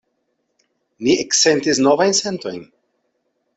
Ni eksentis novajn sentojn.